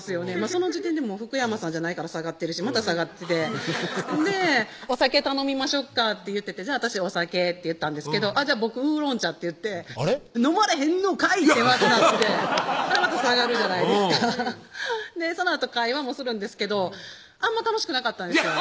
その時点で福山さんじゃないから下がってるしまた下がっててで「お酒頼みましょっか」って言ってて「私お酒」って言ったんですけど「僕ウーロン茶」って言って飲まれへんのかいってまずなってまた下がるじゃないですかそのあと会話もするんですけどあんま楽しくなかったんですよ